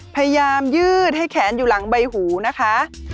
พยายามยืดให้แขนอยู่หลังใบหูนะคะ